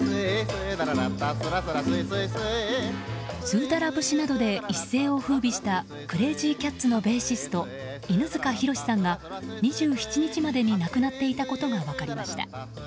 「スーダラ節」などで一世を風靡したクレージーキャッツのベーシスト犬塚弘さんが２７日までに亡くなっていたことが分かりました。